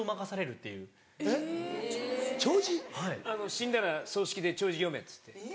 死んだら葬式で弔辞読めっつって。